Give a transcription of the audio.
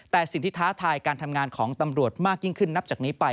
แต่สิ่งที่ท้าทายการทำงานของตำรวจมากยิ่งขึ้นนับจากนี้ไป